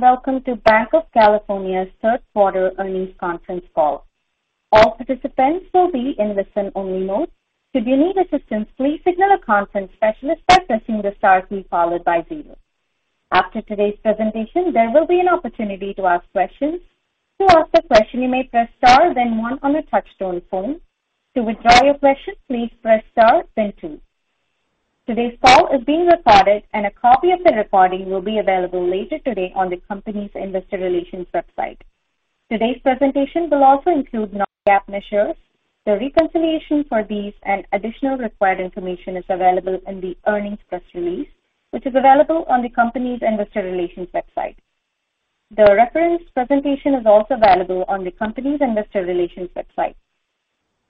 Hello, and welcome to Banc of California's Q3 earnings conference call. All participants will be in listen-only mode. Should you need assistance, please signal a conference specialist by pressing the star key followed by zero. After today's presentation, there will be an opportunity to ask questions. To ask a question, you may press star then one on a touchtone phone. To withdraw your question, please press star then two. Today's call is being recorded, and a copy of the recording will be available later today on the company's investor relations website. Today's presentation will also include non-GAAP measures. The reconciliation for these and additional required information is available in the earnings press release, which is available on the company's investor relations website. The reference presentation is also available on the company's investor relations website.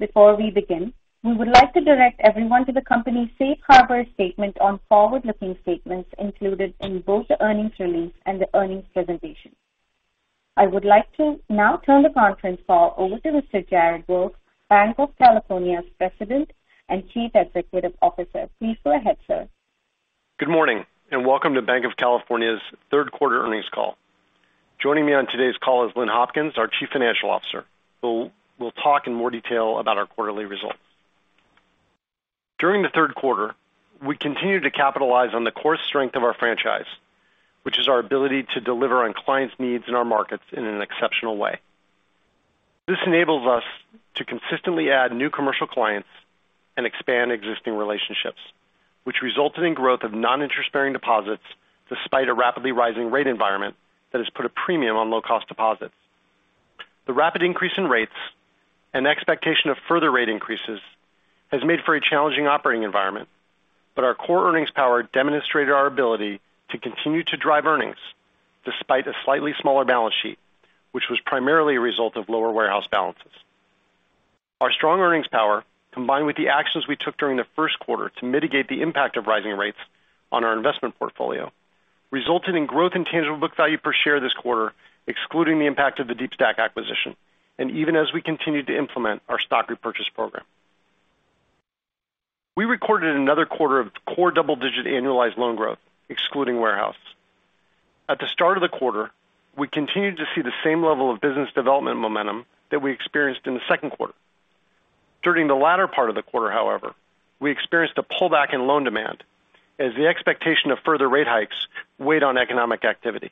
Before we begin, we would like to direct everyone to the company's safe harbor statement on forward-looking statements included in both the earnings release and the earnings presentation. I would like to now turn the conference call over to Mr. Jared Wolff, Banc of California's President and Chief Executive Officer. Please go ahead, sir. Good morning, and welcome to Banc of California's Q3 earnings call. Joining me on today's call is Lynn Hopkins, our Chief Financial Officer, who will talk in more detail about our quarterly results. During the Q3, we continued to capitalize on the core strength of our franchise, which is our ability to deliver on clients' needs in our markets in an exceptional way. This enables us to consistently add new commercial clients and expand existing relationships, which resulted in growth of non-interest-bearing deposits despite a rapidly rising rate environment that has put a premium on low-cost deposits. The rapid increase in rates and expectation of further rate increases has made for a challenging operating environment, but our core earnings power demonstrated our ability to continue to drive earnings despite a slightly smaller balance sheet, which was primarily a result of lower warehouse balances. Our strong earnings power, combined with the actions we took during the Q1 to mitigate the impact of rising rates on our investment portfolio, resulted in growth in tangible book value per share this quarter, excluding the impact of the Deepstack acquisition, and even as we continued to implement our stock repurchase program. We recorded another quarter of core double-digit annualized loan growth, excluding warehouse. At the start of the quarter, we continued to see the same level of business development momentum that we experienced in the Q2. During the latter part of the quarter, however, we experienced a pullback in loan demand as the expectation of further rate hikes weighed on economic activity.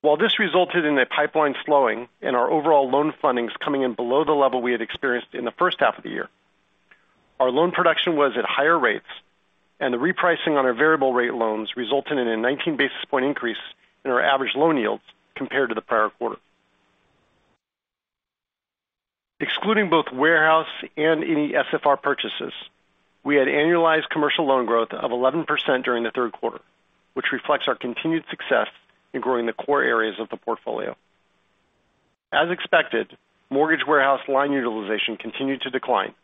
While this resulted in the pipeline slowing and our overall loan fundings coming in below the level we had experienced in the H1 of the year, our loan production was at higher rates, and the repricing on our variable rate loans resulted in a 19 basis point increase in our average loan yields compared to the prior quarter. Excluding both warehouse and any SFR purchases, we had annualized commercial loan growth of 11% during the Q3, which reflects our continued success in growing the core areas of the portfolio. As expected, mortgage warehouse line utilization continued to decline,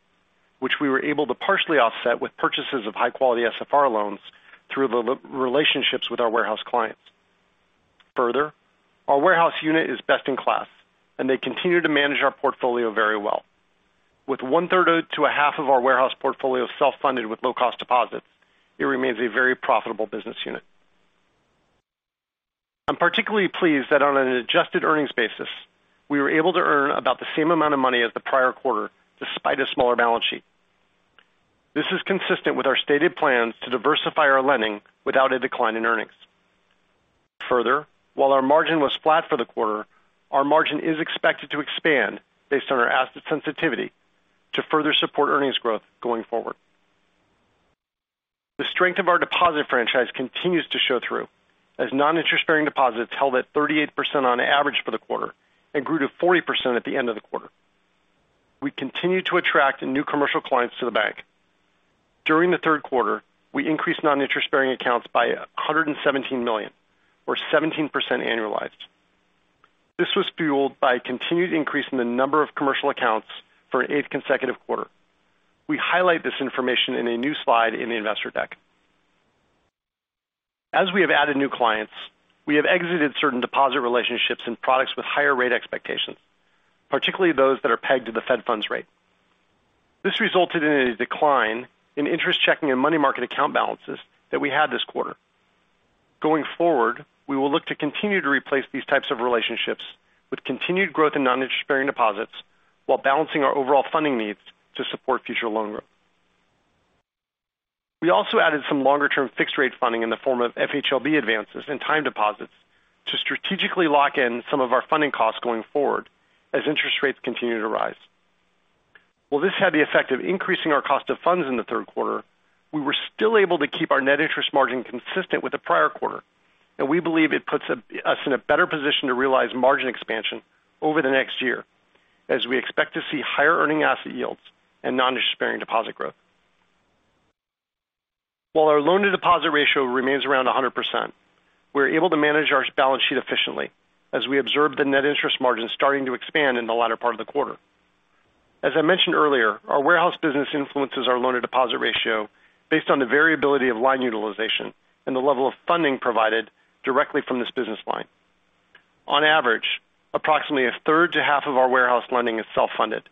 which we were able to partially offset with purchases of high-quality SFR loans through the relationships with our warehouse clients. Further, our warehouse unit is best in class, and they continue to manage our portfolio very well. With one-third to a half of our warehouse portfolio self-funded with low-cost deposits, it remains a very profitable business unit. I'm particularly pleased that on an adjusted earnings basis, we were able to earn about the same amount of money as the prior quarter despite a smaller balance sheet. This is consistent with our stated plans to diversify our lending without a decline in earnings. Further, while our margin was flat for the quarter, our margin is expected to expand based on our asset sensitivity to further support earnings growth going forward. The strength of our deposit franchise continues to show through as non-interest-bearing deposits held at 38% on average for the quarter and grew to 40% at the end of the quarter. We continue to attract new commercial clients to the bank. During the Q3, we increased non-interest-bearing accounts by $117 million or 17% annualized. This was fueled by a continued increase in the number of commercial accounts for an eighth consecutive quarter. We highlight this information in a new slide in the investor deck. As we have added new clients, we have exited certain deposit relationships and products with higher rate expectations, particularly those that are pegged to the Fed funds rate. This resulted in a decline in interest checking and money market account balances that we had this quarter. Going forward, we will look to continue to replace these types of relationships with continued growth in non-interest-bearing deposits while balancing our overall funding needs to support future loan growth. We also added some longer-term fixed rate funding in the form of FHLB advances and time deposits to strategically lock in some of our funding costs going forward as interest rates continue to rise. While this had the effect of increasing our cost of funds in the Q3, we were still able to keep our net interest margin consistent with the prior quarter, and we believe it puts us in a better position to realize margin expansion over the next year as we expect to see higher earning asset yields and non-interest-bearing deposit growth. While our loan-to-deposit ratio remains around 100%, we're able to manage our balance sheet efficiently as we observe the net interest margin starting to expand in the latter part of the quarter. As I mentioned earlier, our warehouse business influences our loan-to-deposit ratio based on the variability of line utilization and the level of funding provided directly from this business line. On average, approximately a third to half of our warehouse lending is self-funded,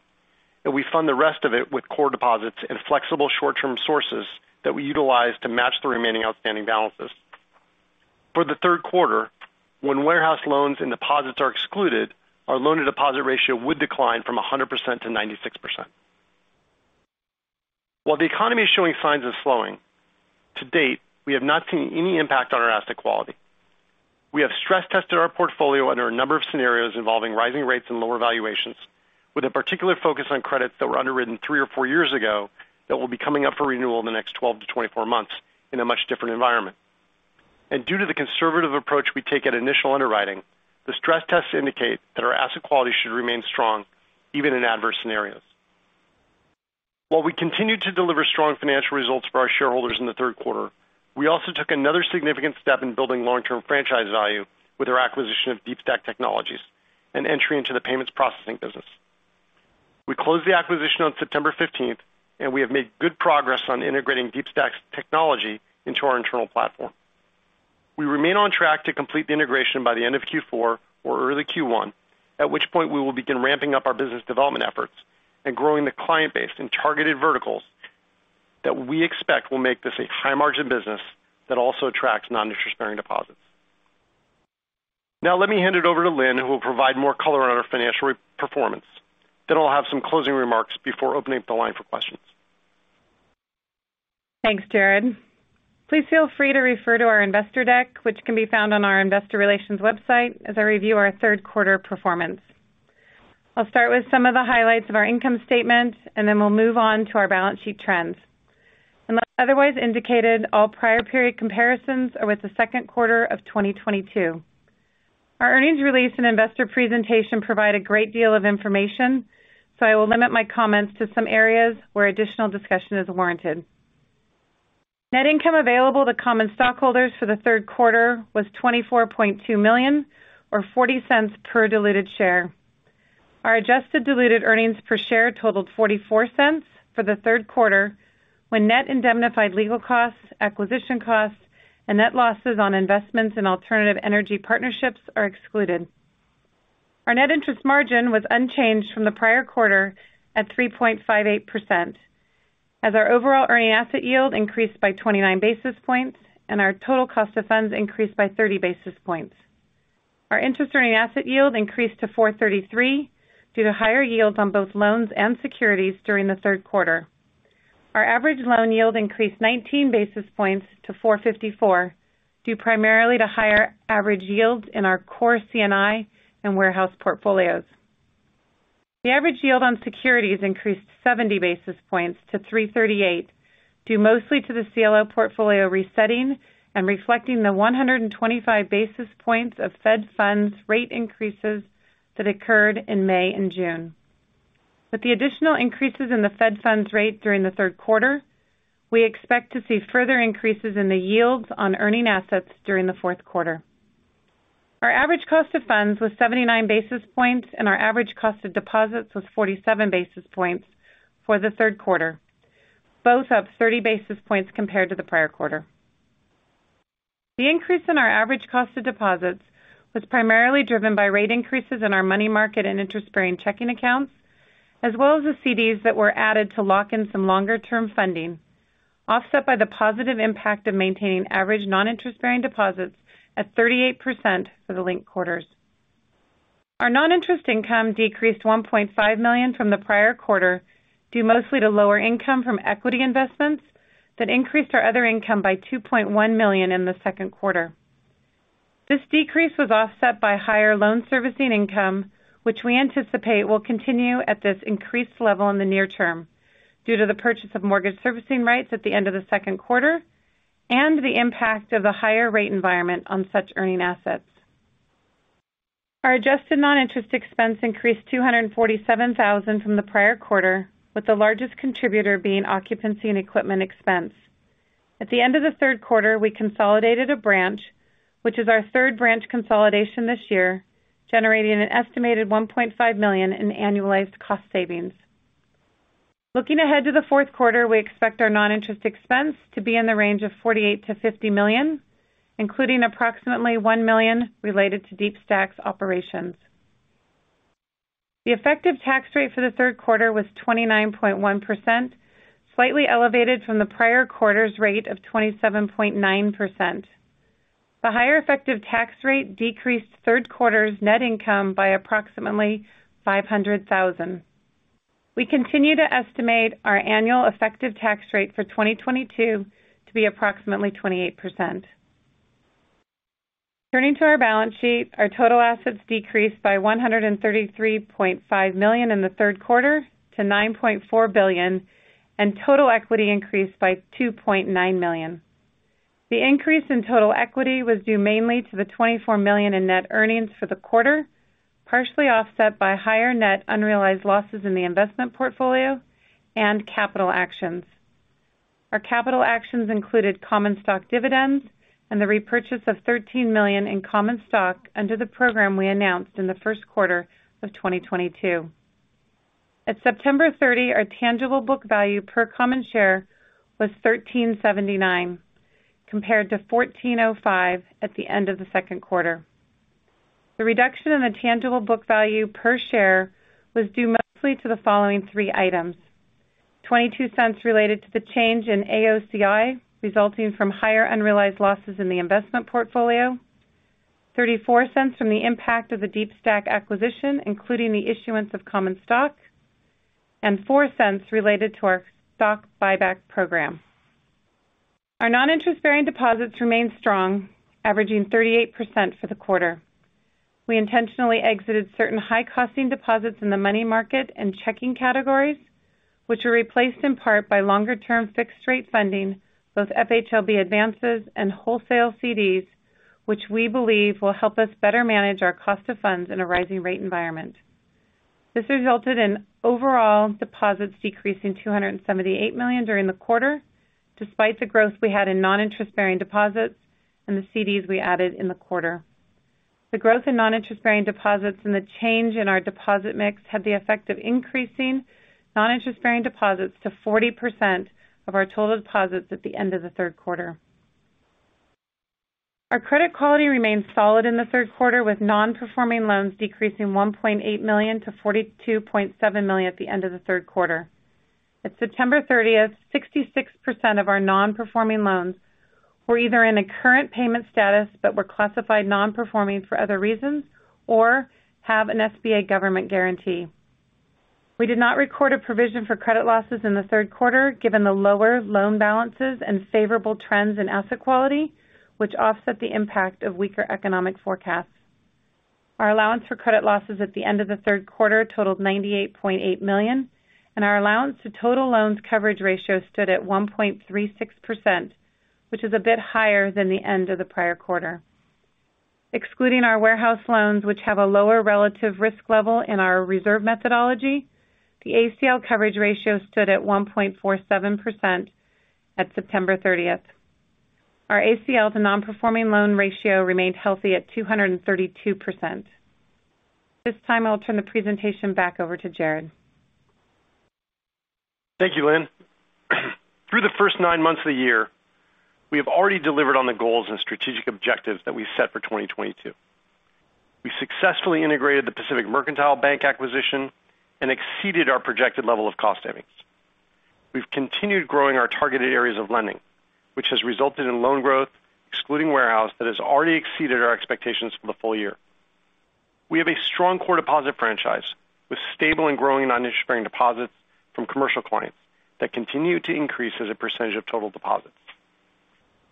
and we fund the rest of it with core deposits and flexible short-term sources that we utilize to match the remaining outstanding balances. For the Q3, when warehouse loans and deposits are excluded, our loan-to-deposit ratio would decline from 100% to 96%. While the economy is showing signs of slowing, to date, we have not seen any impact on our asset quality. We have stress tested our portfolio under a number of scenarios involving rising rates and lower valuations, with a particular focus on credits that were underwritten three or four years ago that will be coming up for renewal in the next 12 to 24 months in a much different environment. Due to the conservative approach we take at initial underwriting, the stress tests indicate that our asset quality should remain strong even in adverse scenarios. While we continued to deliver strong financial results for our shareholders in the Q3, we also took another significant step in building long-term franchise value with our acquisition of Deepstack Technologies and entry into the payments processing business. We closed the acquisition on September 15th, and we have made good progress on integrating Deepstack's technology into our internal platform. We remain on track to complete the integration by the end of Q4 or early Q1, at which point we will begin ramping up our business development efforts and growing the client base in targeted verticals that we expect will make this a high-margin business that also attracts non-interest-bearing deposits. Now let me hand it over to Lynn, who will provide more color on our financial performance. I'll have some closing remarks before opening up the line for questions. Thanks, Jared. Please feel free to refer to our investor deck, which can be found on our investor relations website as I review our Q3 performance. I'll start with some of the highlights of our income statement, and then we'll move on to our balance sheet trends. Unless otherwise indicated, all prior period comparisons are with the Q2 of 2022. Our earnings release and investor presentation provide a great deal of information, so I will limit my comments to some areas where additional discussion is warranted. Net income available to common stockholders for the Q3 was $24.2 million or $0.40 per diluted share. Our adjusted diluted earnings per share totaled $0.44 for the Q3 when net indemnified legal costs, acquisition costs, and net losses on investments in alternative energy partnerships are excluded. Our net interest margin was unchanged from the prior quarter at 3.58%, as our overall earning asset yield increased by 29 basis points and our total cost of funds increased by 30 basis points. Our interest earning asset yield increased to 4.33% due to higher yields on both loans and securities during the Q3. Our average loan yield increased 19 basis points to 4.54%, due primarily to higher average yields in our core C&I and warehouse portfolios. The average yield on securities increased 70 basis points to 3.38%, due mostly to the CLO portfolio resetting and reflecting the 125 basis points of Fed funds rate increases that occurred in May and June. With the additional increases in the Fed funds rate during the Q3, we expect to see further increases in the yields on earning assets during the Q4. Our average cost of funds was 79 basis points, and our average cost of deposits was 47 basis points for the Q3, both up 30 basis points compared to the prior quarter. The increase in our average cost of deposits was primarily driven by rate increases in our money market and interest-bearing checking accounts, as well as the CDs that were added to lock in some longer-term funding, offset by the positive impact of maintaining average non-interest-bearing deposits at 38% for the linked quarters. Our non-interest income decreased $1.5 million from the prior quarter, due mostly to lower income from equity investments that increased our other income by $2.1 million in the Q2. This decrease was offset by higher loan servicing income, which we anticipate will continue at this increased level in the near term due to the purchase of mortgage servicing rights at the end of the Q2 and the impact of the higher rate environment on such earning assets. Our adjusted non-interest expense increased $247,000 from the prior quarter, with the largest contributor being occupancy and equipment expense. At the end of the Q3, we consolidated a branch, which is our third branch consolidation this year, generating an estimated $1.5 million in annualized cost savings. Looking ahead to the Q4, we expect our non-interest expense to be in the range of $48 million-$50 million, including approximately $1 million related to Deepstack's operations. The effective tax rate for the Q3 was 29.1%, slightly elevated from the prior quarter's rate of 27.9%. The higher effective tax rate decreased Q3's net income by approximately $500,000. We continue to estimate our annual effective tax rate for 2022 to be approximately 28%. Turning to our balance sheet, our total assets decreased by $133.5 million in the Q3 to $9.4 billion, and total equity increased by $2.9 million. The increase in total equity was due mainly to the $24 million in net earnings for the quarter, partially offset by higher net unrealized losses in the investment portfolio and capital actions. Our capital actions included common stock dividends and the repurchase of $13 million in common stock under the program we announced in the Q1 of 2022. At September 30, our tangible book value per common share was $13.79, compared to $14.05 at the end of the Q2. The reduction in the tangible book value per share was due mostly to the following three items. $0.22 related to the change in AOCI, resulting from higher unrealized losses in the investment portfolio. $0.34 from the impact of the Deepstack acquisition, including the issuance of common stock, and $0.04 related to our stock buyback program. Our non-interest-bearing deposits remained strong, averaging 38% for the quarter. We intentionally exited certain high-costing deposits in the money market and checking categories, which were replaced in part by longer-term fixed rate funding, both FHLB advances and wholesale CDs, which we believe will help us better manage our cost of funds in a rising rate environment. This resulted in overall deposits decreasing $278 million during the quarter, despite the growth we had in non-interest-bearing deposits and the CDs we added in the quarter. The growth in non-interest-bearing deposits and the change in our deposit mix had the effect of increasing non-interest-bearing deposits to 40% of our total deposits at the end of the Q3. Our credit quality remained solid in the Q3, with non-performing loans decreasing $1.8 million to $42.7 million at the end of the Q3. At September 30, 66% of our non-performing loans were either in a current payment status but were classified non-performing for other reasons or have an SBA government guarantee. We did not record a provision for credit losses in the Q3, given the lower loan balances and favorable trends in asset quality, which offset the impact of weaker economic forecasts. Our allowance for credit losses at the end of the Q3 totaled $98.8 million, and our allowance to total loans coverage ratio stood at 1.36%, which is a bit higher than the end of the prior quarter. Excluding our warehouse loans, which have a lower relative risk level in our reserve methodology, the ACL coverage ratio stood at 1.47% at September 30th. Our ACL to non-performing loan ratio remained healthy at 232%. This time, I'll turn the presentation back over to Jared. Thank you, Lynn. Through the first nine months of the year, we have already delivered on the goals and strategic objectives that we set for 2022. We successfully integrated the Pacific Mercantile Bank acquisition and exceeded our projected level of cost savings. We've continued growing our targeted areas of lending, which has resulted in loan growth, excluding warehouse, that has already exceeded our expectations for the full year. We have a strong core deposit franchise with stable and growing non-interest-bearing deposits from commercial clients that continue to increase as a percentage of total deposits.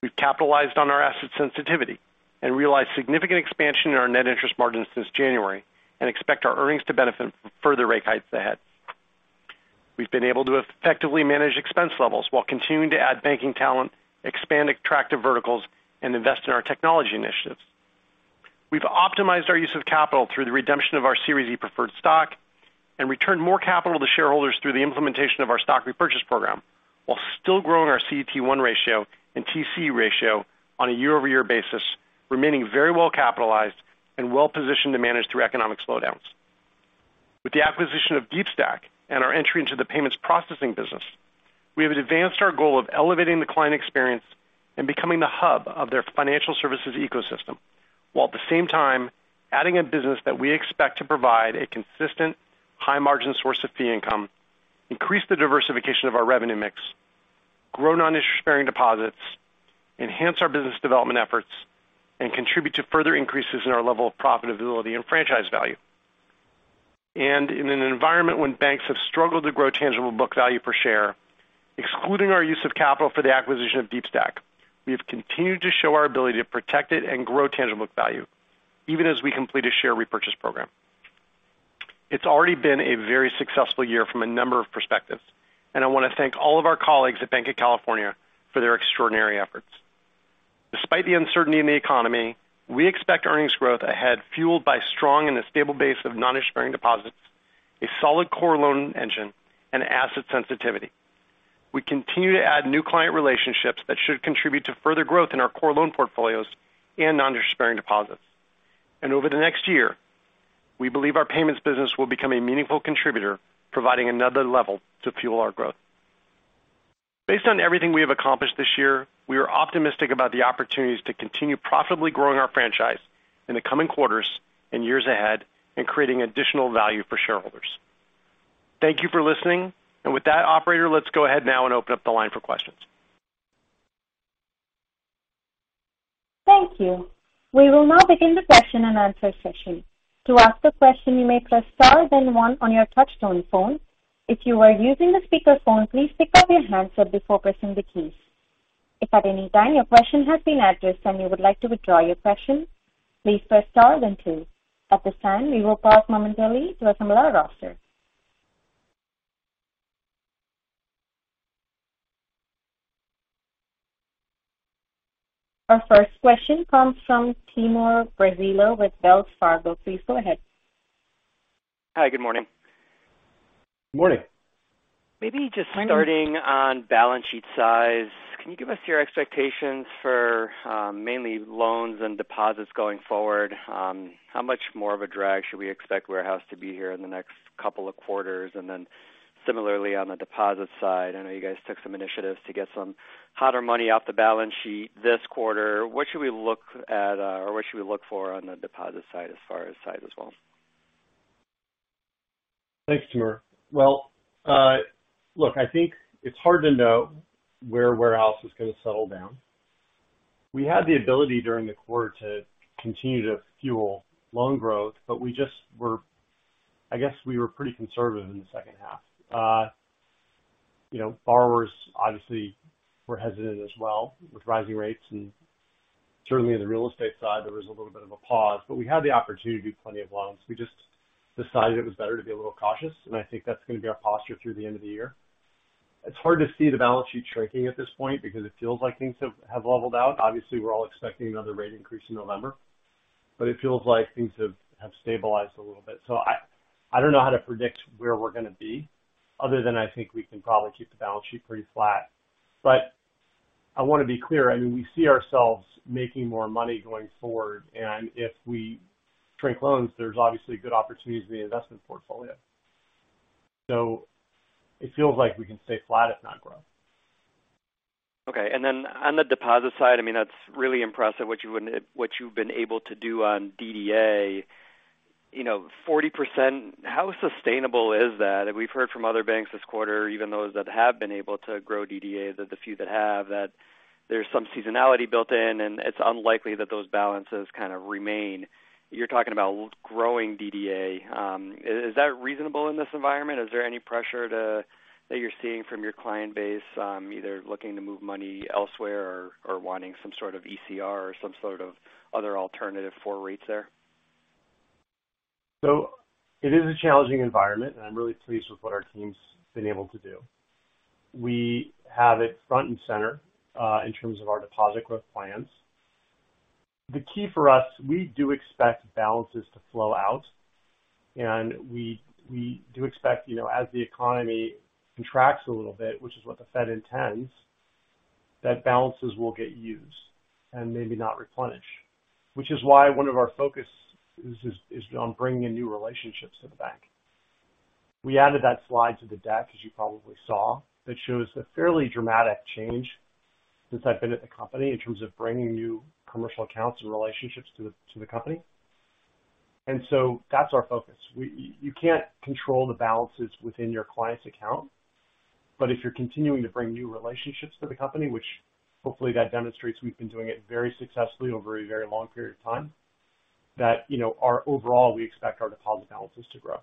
We've capitalized on our asset sensitivity and realized significant expansion in our net interest margin since January and expect our earnings to benefit from further rate hikes ahead. We've been able to effectively manage expense levels while continuing to add banking talent, expand attractive verticals, and invest in our technology initiatives. We've optimized our use of capital through the redemption of our Series E preferred stock and returned more capital to shareholders through the implementation of our stock repurchase program while still growing our CET1 ratio and TCE ratio on a year-over-year basis, remaining very well capitalized and well-positioned to manage through economic slowdowns. With the acquisition of Deepstack and our entry into the payments processing business, we have advanced our goal of elevating the client experience and becoming the hub of their financial services ecosystem, while at the same time adding a business that we expect to provide a consistent high margin source of fee income, increase the diversification of our revenue mix, grow non-interest-bearing deposits, enhance our business development efforts, and contribute to further increases in our level of profitability and franchise value. In an environment when banks have struggled to grow tangible book value per share, excluding our use of capital for the acquisition of Deepstack, we have continued to show our ability to protect it and grow tangible book value even as we complete a share repurchase program. It's already been a very successful year from a number of perspectives, and I want to thank all of our colleagues at Banc of California for their extraordinary efforts. Despite the uncertainty in the economy, we expect earnings growth ahead, fueled by strong and stable base of non-interest-bearing deposits, a solid core loan engine, and asset sensitivity. We continue to add new client relationships that should contribute to further growth in our core loan portfolios and non-interest-bearing deposits. Over the next year, we believe our payments business will become a meaningful contributor, providing another level to fuel our growth. Based on everything we have accomplished this year, we are optimistic about the opportunities to continue profitably growing our franchise in the coming quarters and years ahead and creating additional value for shareholders. Thank you for listening. With that, operator, let's go ahead now and open up the line for questions. Thank you. We will now begin the question and answer session. To ask a question, you may press star then one on your touchtone phone. If you are using a speakerphone, please pick up your handset before pressing the keys. If at any time your question has been addressed and you would like to withdraw your question, please press star then two. At this time, we will pause momentarily to assemble our roster. Our first question comes from Timur Braziler with Wells Fargo. Please go ahead. Hi, good morning. Good morning. Maybe just starting on balance sheet size. Can you give us your expectations for mainly loans and deposits going forward? How much more of a drag should we expect warehouse to be here in the next couple of quarters? Similarly on the deposit side, I know you guys took some initiatives to get some hotter money off the balance sheet this quarter. What should we look at, or what should we look for on the deposit side as far as size as well? Thanks, Timur. Well, look, I think it's hard to know where warehouse is gonna settle down. We had the ability during the quarter to continue to fuel loan growth, but I guess we were pretty conservative in the H2. You know, borrowers obviously were hesitant as well with rising rates. Certainly in the real estate side there was a little bit of a pause. We had the opportunity to do plenty of loans. We just decided it was better to be a little cautious, and I think that's going to be our posture through the end of the year. It's hard to see the balance sheet shrinking at this point because it feels like things have leveled out. Obviously, we're all expecting another rate increase in November. It feels like things have stabilized a little bit. I don't know how to predict where we're gonna be, other than I think we can probably keep the balance sheet pretty flat. I want to be clear, I mean, we see ourselves making more money going forward, and if we shrink loans, there's obviously good opportunities in the investment portfolio. It feels like we can stay flat, if not grow. Okay. On the deposit side, I mean, that's really impressive what you've been able to do on DDA. You know, 40%, how sustainable is that? We've heard from other banks this quarter, even those that have been able to grow DDA, the few that have, that there's some seasonality built in, and it's unlikely that those balances kind of remain. You're talking about growing DDA. Is that reasonable in this environment? Is there any pressure that you're seeing from your client base, either looking to move money elsewhere or wanting some sort of ECR or some sort of other alternative for rates there? It is a challenging environment, and I'm really pleased with what our team's been able to do. We have it front and center in terms of our deposit growth plans. The key for us, we do expect balances to flow out, and we do expect, you know, as the economy contracts a little bit, which is what the Fed intends, that balances will get used and maybe not replenish. Which is why one of our focus is on bringing in new relationships to the bank. We added that slide to the deck, as you probably saw, that shows a fairly dramatic change since I've been at the company in terms of bringing new commercial accounts and relationships to the company. That's our focus. You can't control the balances within your client's account, but if you're continuing to bring new relationships to the company, which hopefully that demonstrates we've been doing it very successfully over a very long period of time, that, you know, overall, we expect our deposit balances to grow.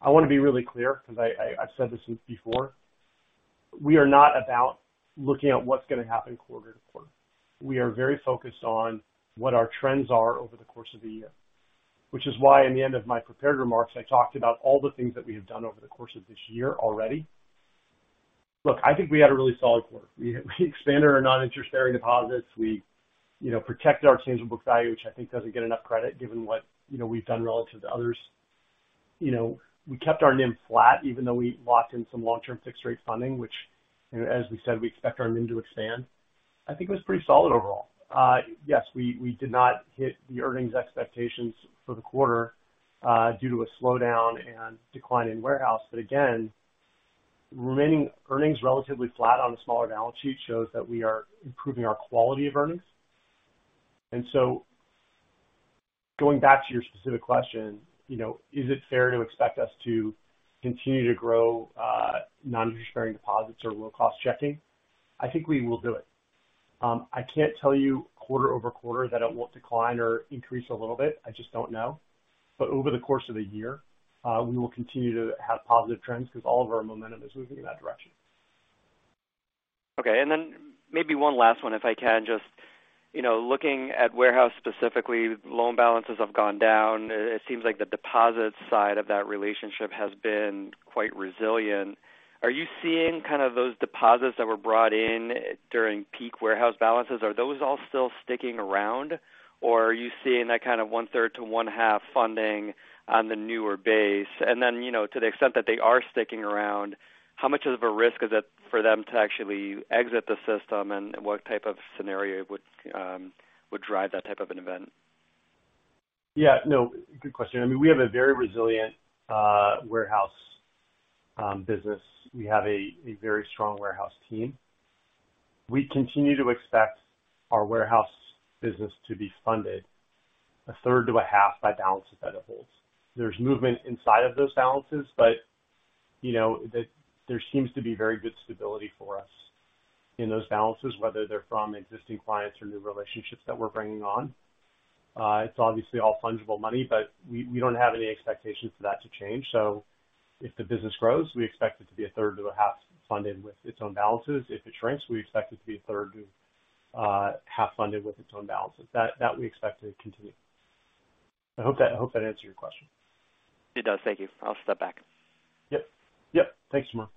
I want to be really clear because I've said this before. We are not about looking at what's going to happen quarter to quarter. We are very focused on what our trends are over the course of the year. Which is why in the end of my prepared remarks, I talked about all the things that we have done over the course of this year already. Look, I think we had a really solid quarter. We expanded our non-interest bearing deposits. We, you know, protected our tangible book value, which I think doesn't get enough credit given what, you know, we've done relative to others. You know, we kept our NIM flat even though we locked in some long-term fixed rate funding, which, you know, as we said, we expect our NIM to expand. I think it was pretty solid overall. Yes, we did not hit the earnings expectations for the quarter, due to a slowdown and decline in warehouse. But again, remaining earnings relatively flat on a smaller balance sheet shows that we are improving our quality of earnings. Going back to your specific question, you know, is it fair to expect us to continue to grow, non-interest-bearing deposits or low-cost checking? I think we will do it. I can't tell you quarter-over-quarter that it won't decline or increase a little bit. I just don't know. Over the course of the year, we will continue to have positive trends because all of our momentum is moving in that direction. Okay. Maybe one last one, if I can. Just, you know, looking at warehouse specifically, loan balances have gone down. It seems like the deposit side of that relationship has been quite resilient. Are you seeing kind of those deposits that were brought in during peak warehouse balances? Are those all still sticking around? Or are you seeing that kind of one-third to one-half funding on the newer base? You know, to the extent that they are sticking around, how much of a risk is it for them to actually exit the system, and what type of scenario would drive that type of an event? Yeah, no, good question. I mean, we have a very resilient warehouse business. We have a very strong warehouse team. We continue to expect our warehouse business to be funded a third to a half by balances that it holds. There's movement inside of those balances, but, you know, there seems to be very good stability for us in those balances, whether they're from existing clients or new relationships that we're bringing on. It's obviously all fungible money, but we don't have any expectations for that to change. If the business grows, we expect it to be a third to a half funded with its own balances. If it shrinks, we expect it to be a third to half funded with its own balances. That we expect to continue. I hope that answered your question. It does. Thank you. I'll step back. Yep. Yep. Thanks, Timur.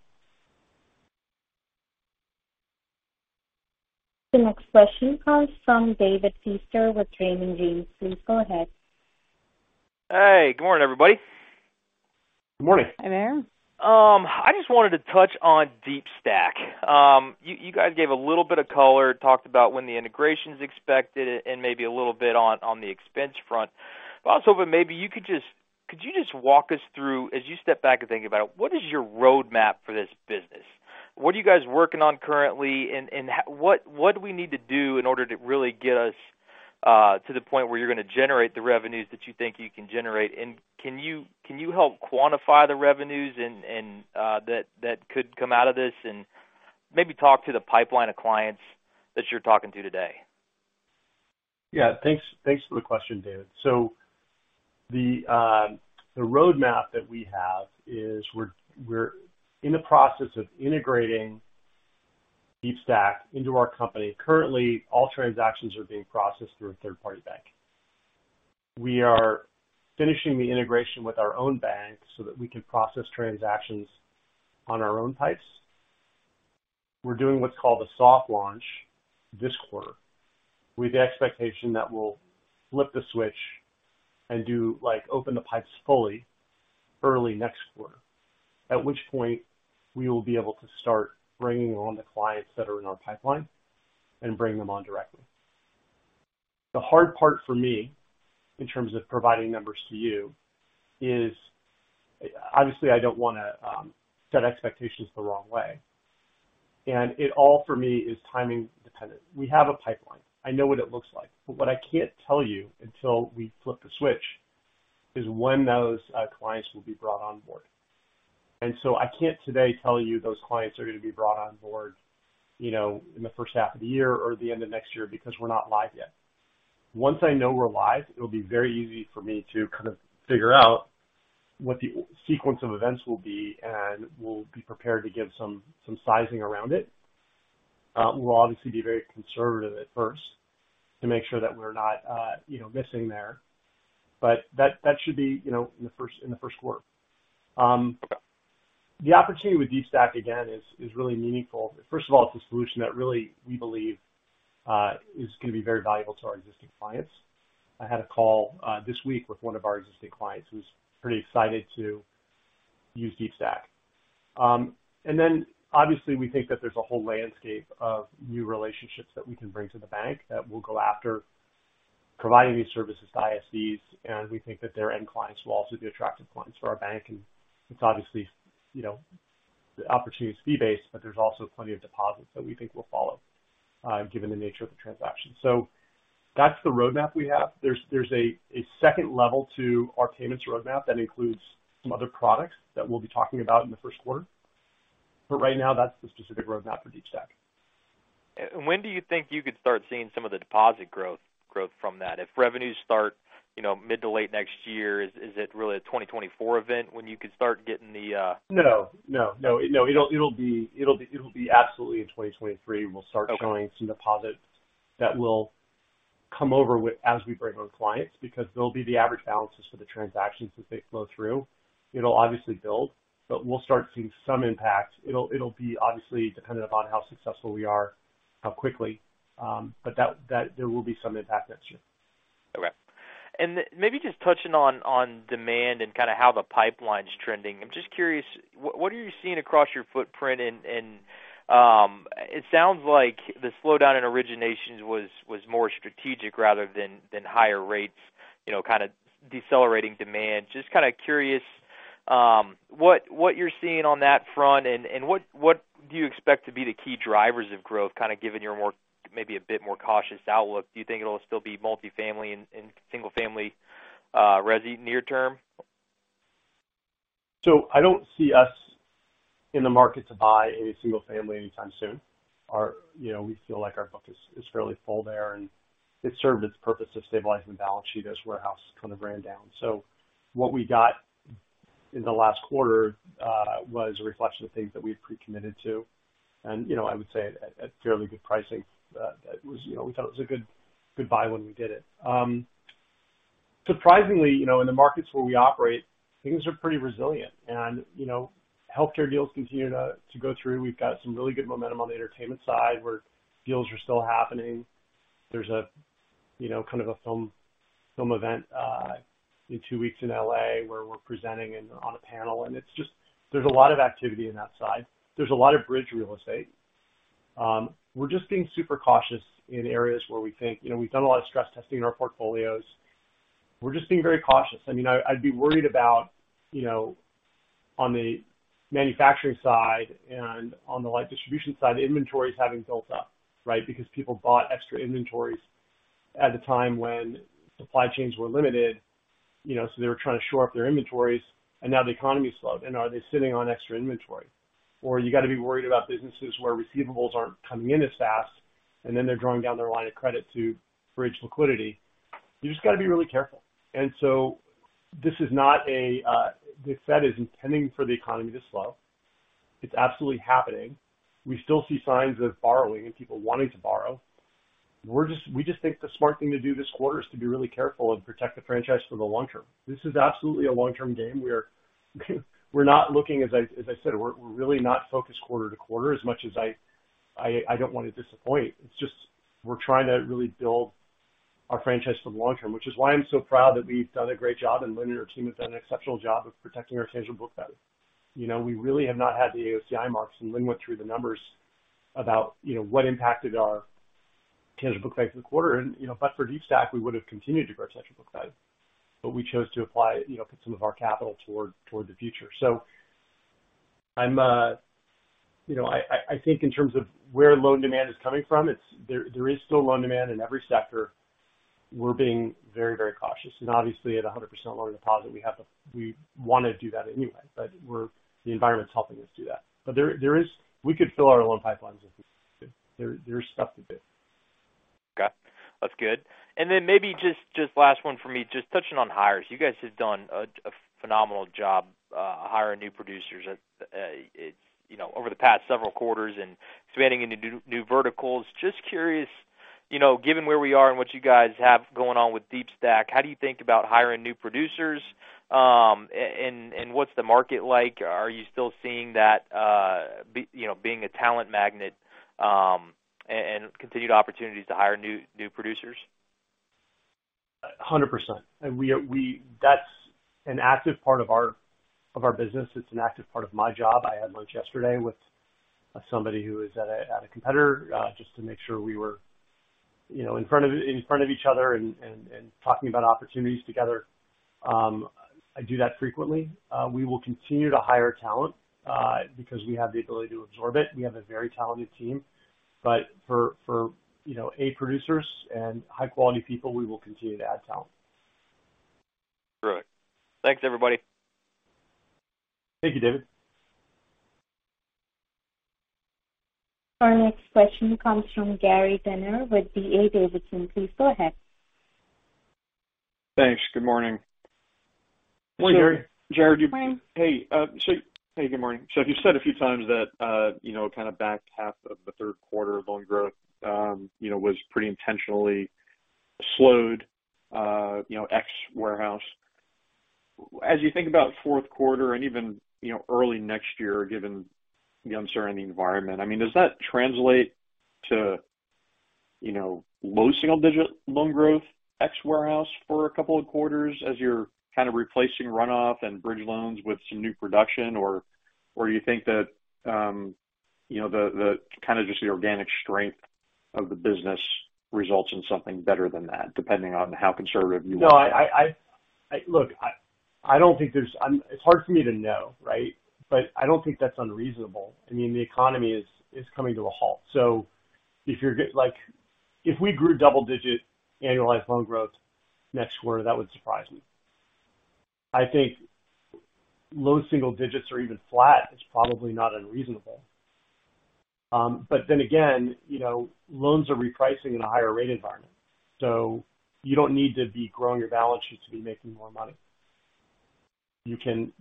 The next question comes from David Feaster with Raymond James. Please go ahead. Hey, good morning, everybody. Good morning. Hi there. I just wanted to touch on Deepstack. You guys gave a little bit of color, talked about when the integration's expected and maybe a little bit on the expense front. But also, maybe you could just walk us through as you step back and think about it, what is your roadmap for this business? What are you guys working on currently? And what do we need to do in order to really get us to the point where you're gonna generate the revenues that you think you can generate? And can you help quantify the revenues and that could come out of this and maybe talk to the pipeline of clients that you're talking to today? Yeah. Thanks for the question, David. The roadmap that we have is we're in the process of integrating Deepstack into our company. Currently, all transactions are being processed through a third-party bank. We are finishing the integration with our own bank so that we can process transactions on our own pipes. We're doing what's called a soft launch this quarter with the expectation that we'll flip the switch and do like open the pipes fully early next quarter, at which point we will be able to start bringing on the clients that are in our pipeline and bring them on directly. The hard part for me in terms of providing numbers to you is obviously I don't wanna set expectations the wrong way. It's all for me is timing dependent. We have a pipeline. I know what it looks like. What I can't tell you until we flip the switch is when those clients will be brought on board. I can't today tell you those clients are gonna be brought on board, you know, in the H1 of the year or the end of next year because we're not live yet. Once I know we're live, it'll be very easy for me to kind of figure out what the sequence of events will be, and we'll be prepared to give some sizing around it. We'll obviously be very conservative at first to make sure that we're not, you know, missing there. That should be, you know, in the Q1. The opportunity with Deepstack again is really meaningful. First of all, it's a solution that really we believe is gonna be very valuable to our existing clients. I had a call this week with one of our existing clients who's pretty excited to use Deepstack. Obviously we think that there's a whole landscape of new relationships that we can bring to the bank that will go after providing these services to ISVs, and we think that their end clients will also be attractive clients for our bank. It's obviously, you know, the opportunity is fee-based, but there's also plenty of deposits that we think will follow, given the nature of the transaction. That's the roadmap we have. There's a second level to our payments roadmap that includes some other products that we'll be talking about in the Q1. Right now, that's the specific roadmap for Deepstack. When do you think you could start seeing some of the deposit growth from that? If revenues start, you know, mid to late next year, is it really a 2024 event when you could start getting them? No, it'll be absolutely in 2023. Okay. We'll start showing some deposits that will come over with us as we bring on clients because they'll be the average balances for the transactions as they flow through. It'll obviously build, but we'll start seeing some impact. It'll be obviously dependent upon how successful we are, how quickly, but that there will be some impact next year. Okay. Maybe just touching on on demand and kinda how the pipeline's trending. I'm just curious, what are you seeing across your footprint? It sounds like the slowdown in originations was more strategic rather than higher rates, you know, kinda decelerating demand. Just kinda curious, what you're seeing on that front and what do you expect to be the key drivers of growth, kinda given your more, maybe a bit more cautious outlook. Do you think it'll still be multifamily and single family resi near term? I don't see us in the market to buy any single family anytime soon. You know, we feel like our book is fairly full there, and it served its purpose of stabilizing the balance sheet as warehouse kind of ran down. What we got in the last quarter was a reflection of things that we had pre-committed to. You know, I would say at fairly good pricing. You know, we thought it was a good buy when we did it. Surprisingly, you know, in the markets where we operate, things are pretty resilient. You know, healthcare deals continue to go through. We've got some really good momentum on the entertainment side where deals are still happening. There's a, you know, kind of a film event in two weeks in L.A., where we're presenting on a panel, and it's just there's a lot of activity in that side. There's a lot of bridge real estate. We're just being super cautious in areas where we think. You know, we've done a lot of stress testing in our portfolios. We're just being very cautious. I mean, I'd be worried about, you know, on the manufacturing side and on the light distribution side, inventories having built up, right? Because people bought extra inventories at a time when supply chains were limited. You know, so they were trying to shore up their inventories, and now the economy slowed. Are they sitting on extra inventory? You gotta be worried about businesses where receivables aren't coming in as fast, and then they're drawing down their line of credit to bridge liquidity. You just gotta be really careful. This is not the Fed is intending for the economy to slow. It's absolutely happening. We still see signs of borrowing and people wanting to borrow. We just think the smart thing to do this quarter is to be really careful and protect the franchise for the long term. This is absolutely a long-term game. We're not looking, as I said, we're really not focused quarter to quarter as much as I don't wanna disappoint. It's just we're trying to really build our franchise for the long term, which is why I'm so proud that we've done a great job and Lynn and her team have done an exceptional job of protecting our tangible book value. You know, we really have not had the AOCI marks, and Lynn went through the numbers about, you know, what impacted our tangible book value for the quarter. You know, but for Deepstack, we would've continued to grow our tangible book value. But we chose to apply, you know, put some of our capital toward the future. I'm, you know, I think in terms of where loan demand is coming from, there is still loan demand in every sector. We're being very, very cautious. Obviously, at 100% loan deposit, we wanna do that anyway. The environment's helping us do that. We could fill our loan pipelines if we wanted to. There's stuff to do. Okay. That's good. Maybe just last one for me. Just touching on hires. You guys have done a phenomenal job hiring new producers at its, you know, over the past several quarters and expanding into new verticals. Just curious, you know, given where we are and what you guys have going on with Deepstack, how do you think about hiring new producers? And what's the market like? Are you still seeing that, you know, being a talent magnet, and continued opportunities to hire new producers? 100%. That's an active part of our business. It's an active part of my job. I had lunch yesterday with somebody who is at a competitor just to make sure we were, you know, in front of each other and talking about opportunities together. I do that frequently. We will continue to hire talent because we have the ability to absorb it. We have a very talented team. For you know A producers and high-quality people, we will continue to add talent. Great. Thanks, everybody. Thank you, David. Our next question comes from Gary Tenner with D.A. Davidson. Please go ahead. Thanks. Good morning. Good morning, Gary. Jared, you. Good morning. Hey, good morning. You've said a few times that, you know, kind of back half of the Q3 loan growth, you know, was pretty intentionally slowed, you know, ex warehouse. As you think about Q4 and even, you know, early next year, given the uncertain environment, I mean, does that translate to, you know, low single digit loan growth, ex warehouse for a couple of quarters as you're kind of replacing runoff and bridge loans with some new production? Or you think that, you know, the kinda just the organic strength of the business results in something better than that, depending on how conservative you wanna be? No. Look, it's hard for me to know, right? I don't think that's unreasonable. I mean, the economy is coming to a halt. Like, if we grew double-digit annualized loan growth next quarter, that would surprise me. I think low single digits or even flat is probably not unreasonable. Then again, you know, loans are repricing in a higher rate environment. You don't need to be growing your balance sheet to be making more money. You can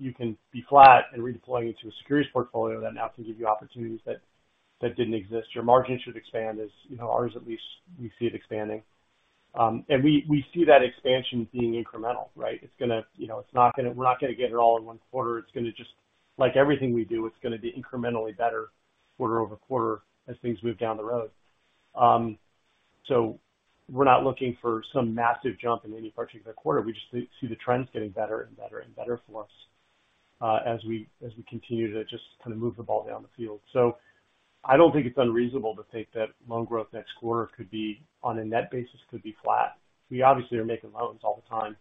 be flat and redeploying into a securities portfolio that now can give you opportunities that didn't exist. Your margin should expand as, you know, ours at least we see it expanding. We see that expansion being incremental, right? You know, we're not gonna get it all in one quarter. Like everything we do, it's gonna be incrementally better quarter over quarter as things move down the road. We're not looking for some massive jump in any particular quarter. We just see the trends getting better and better and better for us, as we continue to just kind of move the ball down the field. I don't think it's unreasonable to think that loan growth next quarter could be, on a net basis, could be flat. We obviously are making loans all the time.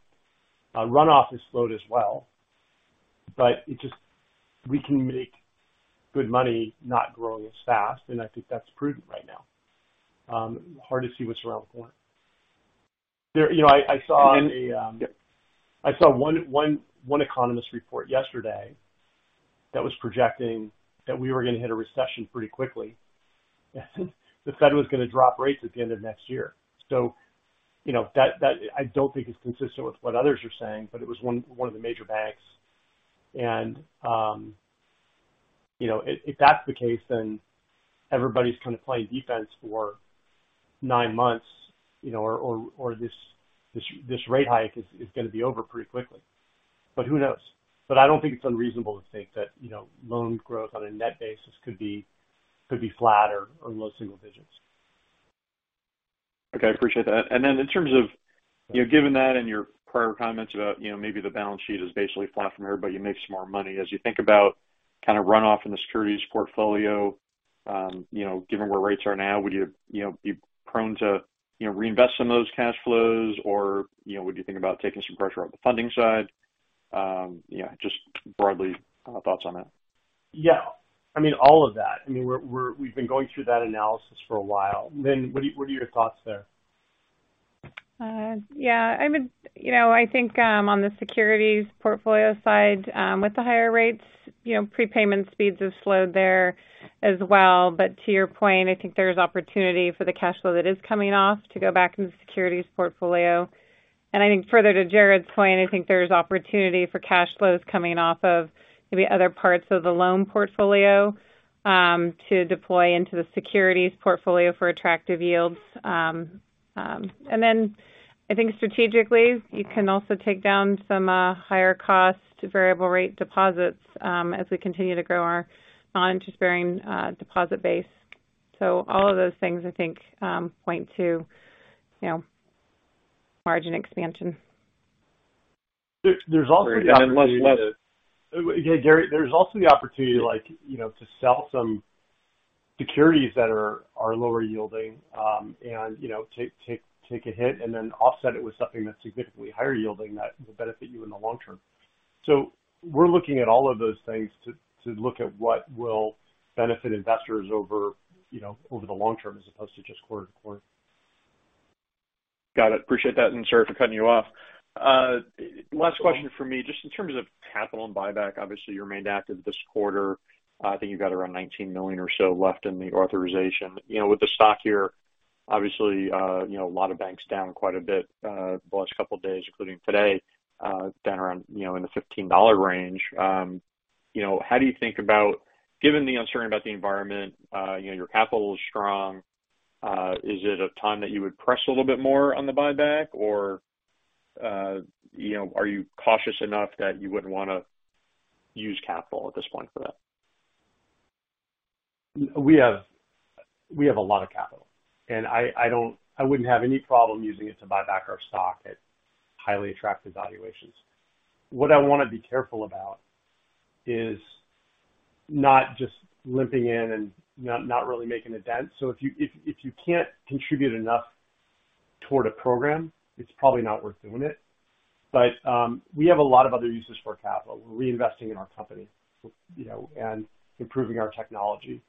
Runoff is slowed as well, but we can make good money not growing as fast, and I think that's prudent right now. Hard to see what's around the corner. You know, I saw. And. I saw one economist report yesterday that was projecting that we were gonna hit a recession pretty quickly. The Fed was gonna drop rates at the end of next year. You know, that I don't think is consistent with what others are saying, but it was one of the major banks. You know, if that's the case, then everybody's kinda playing defense for nine months, you know, or this rate hike is gonna be over pretty quickly. Who knows? I don't think it's unreasonable to think that, you know, loan growth on a net basis could be flat or low single digits. Okay. I appreciate that. In terms of, you know, given that and your prior comments about, you know, maybe the balance sheet is basically flat from here, but you make some more money. As you think about kind of runoff in the securities portfolio, you know, given where rates are now, would you know, be prone to, you know, reinvest some of those cash flows? Or, you know, would you think about taking some pressure off the funding side? You know, just broadly, thoughts on that? Yeah. I mean, all of that. I mean, we've been going through that analysis for a while. Lynn, what are your thoughts there? Yeah. I mean, you know, I think on the securities portfolio side with the higher rates, you know, prepayment speeds have slowed there as well. To your point, I think there's opportunity for the cash flow that is coming off to go back into the securities portfolio. I think further to Jared's point, I think there's opportunity for cash flows coming off of maybe other parts of the loan portfolio to deploy into the securities portfolio for attractive yields. I think strategically, you can also take down some higher cost variable rate deposits as we continue to grow our non-interest bearing deposit base. All of those things I think point to, you know, margin expansion. Yeah, Gary, there's also the opportunity, like, you know, to sell some securities that are lower yielding, and, you know, take a hit and then offset it with something that's significantly higher yielding that will benefit you in the long term. We're looking at all of those things to look at what will benefit investors over, you know, the long term as opposed to just quarter to quarter. Got it. Appreciate that. Sorry for cutting you off. Last question from me, just in terms of capital and buyback. Obviously, you remained active this quarter. I think you've got around $19 million or so left in the authorization. You know, with the stock here, obviously, you know, a lot of banks down quite a bit, the last couple of days, including today, down around, you know, in the $15 range. You know, how do you think about given the uncertainty about the environment, you know, your capital is strong, is it a time that you would press a little bit more on the buyback or, you know, are you cautious enough that you wouldn't want to use capital at this point for that? We have a lot of capital, and I wouldn't have any problem using it to buy back our stock at highly attractive valuations. What I wanna be careful about is not just limping in and not really making a dent. If you can't contribute enough toward a program, it's probably not worth doing it. We have a lot of other uses for capital. We're reinvesting in our company, you know, and improving our technology,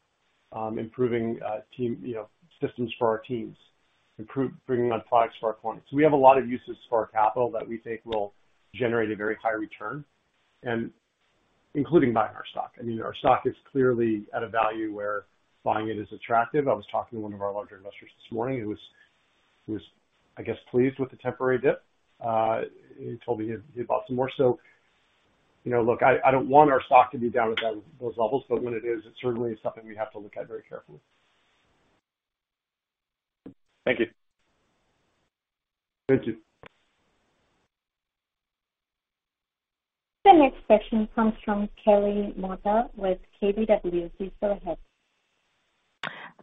improving team, you know, systems for our teams, bringing on products for our clients. We have a lot of uses for our capital that we think will generate a very high return and including buying our stock. I mean, our stock is clearly at a value where buying it is attractive. I was talking to one of our larger investors this morning who was, I guess, pleased with the temporary dip. He told me he bought some more. You know, look, I don't want our stock to be down at that, those levels, but when it is, it's certainly something we have to look at very carefully. Thank you. Thank you. The next question comes from Kelly Motta with KBW. Please go ahead.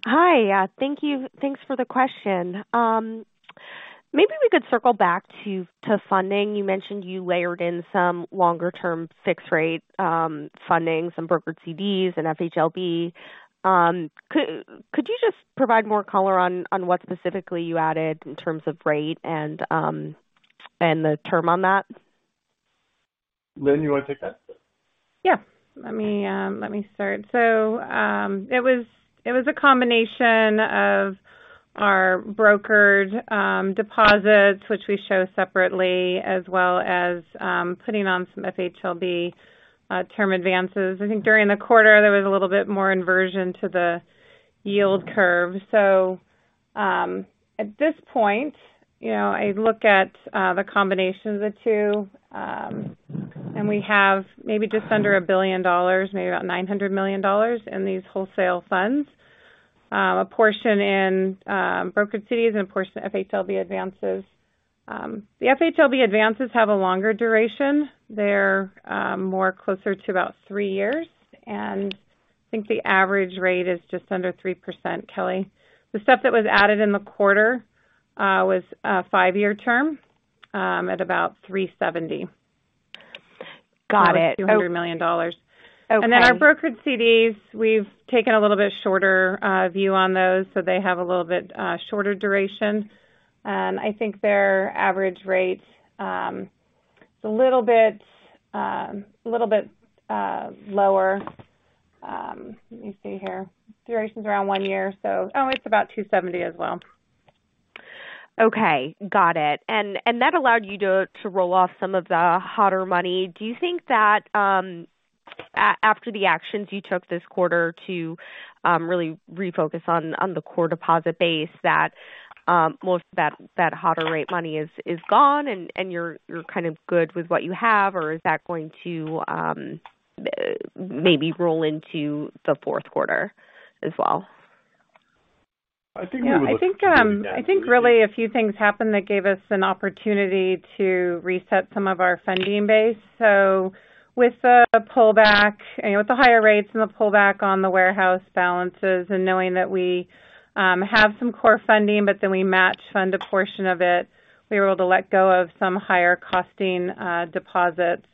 Hi. Yeah, thank you. Thanks for the question. Maybe we could circle back to funding. You mentioned you layered in some longer-term fixed rate funding, some brokered CDs and FHLB. Could you just provide more color on what specifically you added in terms of rate and the term on that? Lynn, you wanna take that? Yeah. Let me start. It was a combination of our brokered deposits, which we show separately, as well as putting on some FHLB term advances. I think during the quarter, there was a little bit more inversion to the yield curve. At this point, you know, I look at the combination of the two, and we have maybe just under $1 billion, maybe about $900 million in these wholesale funds, a portion in brokered CDs and a portion of FHLB advances. The FHLB advances have a longer duration. They're more closer to about three years, and I think the average rate is just under 3%, Kelly. The stuff that was added in the quarter was a 5-year term at about 3.70%. Got it. $200 million. Okay. Our brokered CDs, we've taken a little bit shorter view on those, so they have a little bit shorter duration. I think their average rate is a little bit lower. Let me see here. Duration's around one year. Oh, it's about 2.70 as well. Okay. Got it. That allowed you to roll off some of the hotter money. Do you think that after the actions you took this quarter to really refocus on the core deposit base that most of that hotter rate money is gone and you're kind of good with what you have, or is that going to maybe roll into the Q4 as well? I think we would look to do that. I think really a few things happened that gave us an opportunity to reset some of our funding base. With the pullback and with the higher rates and the pullback on the warehouse balances and knowing that we have some core funding, but then we match fund a portion of it, we were able to let go of some higher costing deposits.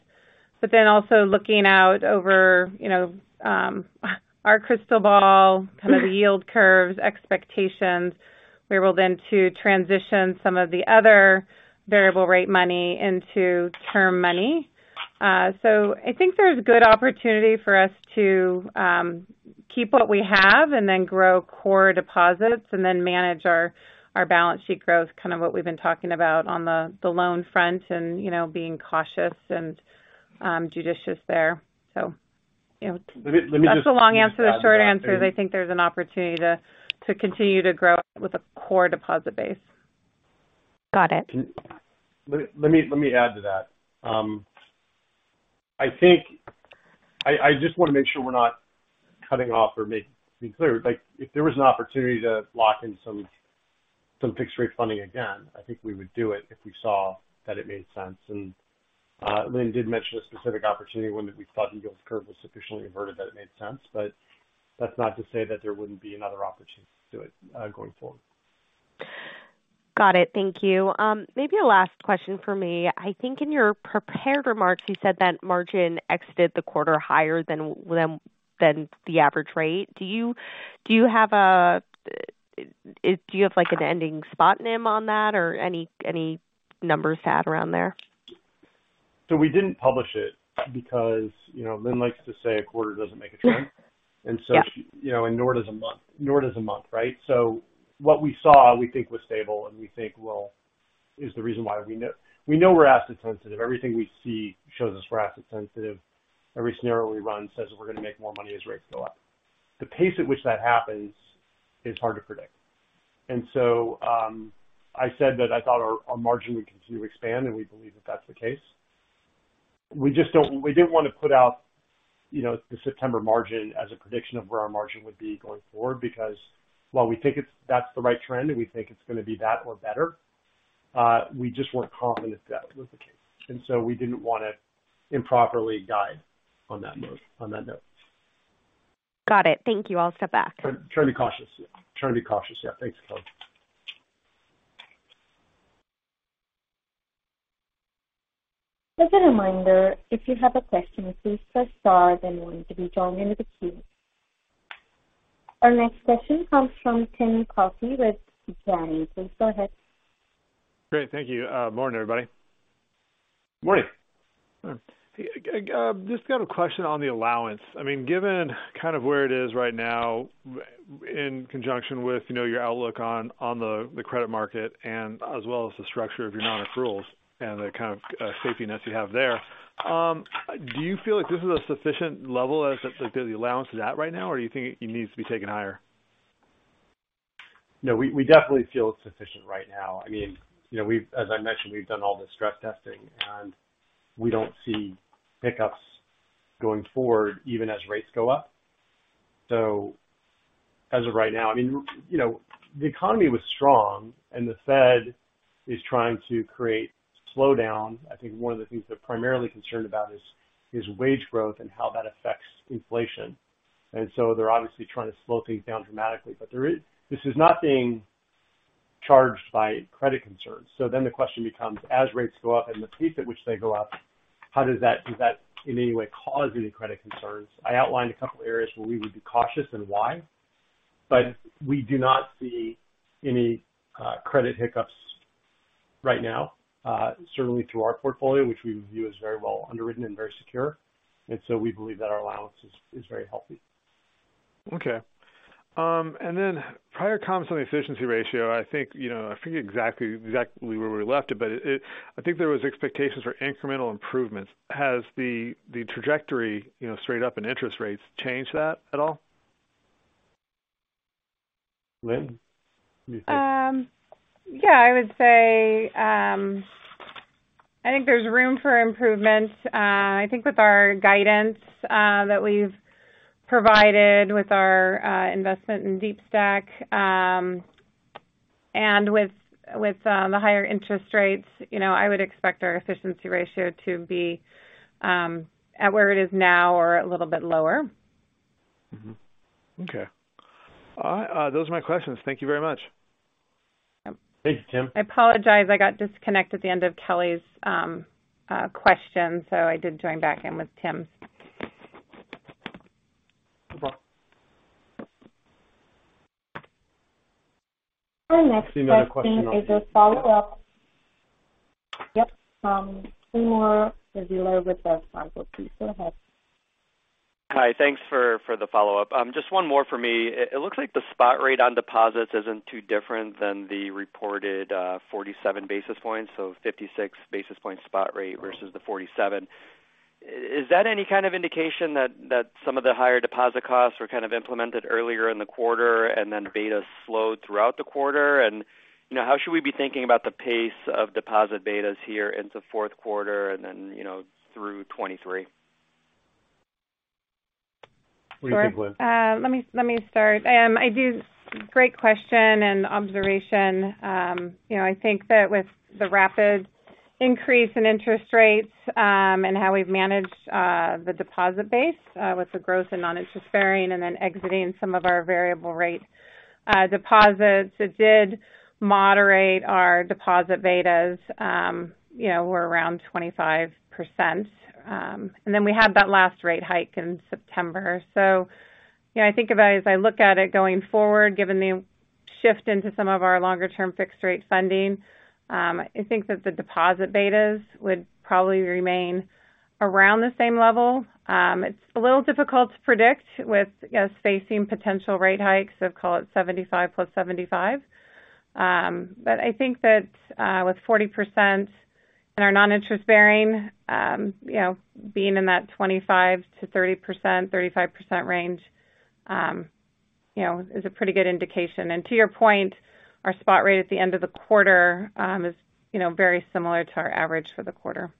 Also looking out over you know our crystal ball, kind of the yield curves expectations, we were able then to transition some of the other variable rate money into term money. I think there's good opportunity for us to keep what we have and then grow core deposits and then manage our balance sheet growth, kind of what we've been talking about on the loan front and, you know, being cautious and judicious there. Let me just. That's the long answer. The short answer is I think there's an opportunity to continue to grow with a core deposit base. Got it. Let me add to that. I think I just want to make sure we're not cutting off or being clear. Like if there was an opportunity to lock in some fixed rate funding again, I think we would do it if we saw that it made sense. Lynn did mention a specific opportunity when we thought the yield curve was sufficiently inverted that it made sense. That's not to say that there wouldn't be another opportunity to do it, going forward. Got it. Thank you. Maybe a last question for me. I think in your prepared remarks, you said that margin exited the quarter higher than the average rate. Do you have like an ending spot NIM on that or any numbers had around there? We didn't publish it because, you know, Lynn likes to say a quarter doesn't make a trend. Yeah. You know, nor does a month, right? What we saw we think was stable and we think is the reason why we know. We know we're asset sensitive. Everything we see shows us we're asset sensitive. Every scenario we run says we're gonna make more money as rates go up. The pace at which that happens is hard to predict. I said that I thought our margin would continue to expand, and we believe that that's the case. We didn't wanna put out, you know, the September margin as a prediction of where our margin would be going forward because while we think that's the right trend and we think it's gonna be that or better, we just weren't confident that that was the case, and so we didn't wanna improperly guide on that note. Got it. Thank you. I'll step back. Try to be cautious. Try to be cautious. Yeah. Thanks, Kelly. As a reminder, if you have a question, please press star then one to be joined into the queue. Our next question comes from Tim Coffey with Janney. Please go ahead. Great, thank you. Morning, everybody. Morning. Just got a question on the allowance. I mean, given kind of where it is right now in conjunction with, you know, your outlook on the credit market and as well as the structure of your non-accruals and the kind of safeness you have there, do you feel like this is a sufficient level as, like, the allowance is at right now, or do you think it needs to be taken higher? No, we definitely feel it's sufficient right now. I mean, you know, we've, as I mentioned, we've done all the stress testing, and we don't see hiccups going forward even as rates go up. As of right now, I mean, you know, the economy was strong and the Fed is trying to create slowdown. I think one of the things they're primarily concerned about is wage growth and how that affects inflation. They're obviously trying to slow things down dramatically. This is not being caused by credit concerns. The question becomes, as rates go up and the pace at which they go up, how does that in any way cause any credit concerns? I outlined a couple areas where we would be cautious and why, but we do not see any credit hiccups right now, certainly through our portfolio, which we view as very well underwritten and very secure. We believe that our allowance is very healthy. Okay. Prior comments on the efficiency ratio, I think, you know, I forget exactly where we left it, but I think there was expectations for incremental improvements. Has the trajectory, you know, straight up in interest rates changed that at all? Lynn, what do you think? Yeah, I would say, I think there's room for improvement. I think with our guidance, that we've provided with our investment in Deepstack, and with the higher interest rates, you know, I would expect our efficiency ratio to be at where it is now or a little bit lower. Okay. All right. Those are my questions. Thank you very much. Thank you, Tim. I apologize. I got disconnected at the end of Kelly's question. I did join back in with Tim's. No problem. Our next question is a follow-up. Yep. From Timur Braziler with Jefferies. Please go ahead. Hi. Thanks for the follow-up. Just one more for me. It looks like the spot rate on deposits isn't too different than the reported 47 basis points, so 56 basis points spot rate versus the 47. Is that any kind of indication that some of the higher deposit costs were kind of implemented earlier in the quarter and then betas slowed throughout the quarter? You know, how should we be thinking about the pace of deposit betas here into Q4 and then, you know, through 2023? What do you think, Lynn? Great question and observation. You know, I think that with the rapid increase in interest rates, and how we've managed the deposit base, with the growth in noninterest-bearing and then exiting some of our variable rate deposits, it did moderate our deposit betas. You know, were around 25%. And then we had that last rate hike in September. You know, I think about it as I look at it going forward, given the shift into some of our longer-term fixed-rate funding. I think that the deposit betas would probably remain around the same level. It's a little difficult to predict with, you know, facing potential rate hikes of, call it 75+75. I think that with 40% in our non-interest bearing, you know, being in that 25%-30%, 35% range, you know, is a pretty good indication. To your point, our spot rate at the end of the quarter is, you know, very similar to our average for the quarter.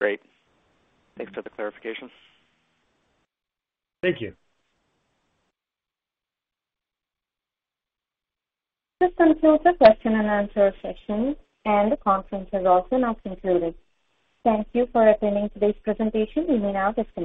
Great. Thanks for the clarification. Thank you. This concludes the question and answer session, and the conference has also now concluded. Thank you for attending today's presentation. You may now disconnect.